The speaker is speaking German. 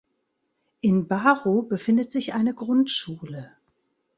In Baru befindet sich eine Grundschule.